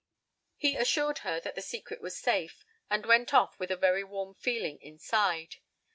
He assured her that the secret was safe, and went off with a very warm feeling inside.